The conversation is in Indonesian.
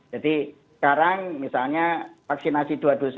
jadi sekarang misalnya vaksinasi dua ratus dua puluh empat